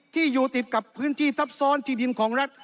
ที่อยู่ติดกับพื้นที่ทับซ้อนที่ดินของรัฐ